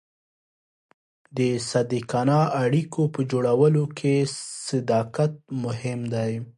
د صادقانه اړیکو په جوړولو کې صداقت مهم دی.